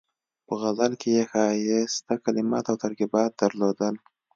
په غزل کې یې ښایسته کلمات او ترکیبات درلودل.